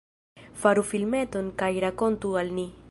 Faru filmeton kaj rakontu al ni!